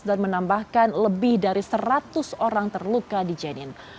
dan menambahkan lebih dari seratus orang terluka di jenin